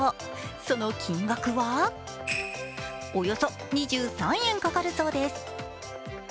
その金額はおよそ２３円かかるそうです。